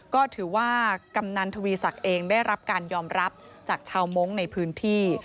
ก็ถือว่ากำนันทวีศักดิ์เองได้รับการยอมรับจากชาวมงค์ในพื้นที่